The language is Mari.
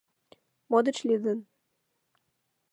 — Мо деч лӱдын.